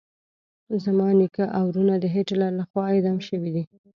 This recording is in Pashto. زما نیکه او ورونه د هټلر لخوا اعدام شويدي.